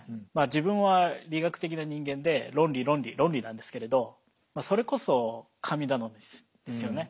自分は理学的な人間で論理論理論理なんですけれどそれこそ神頼みですよね。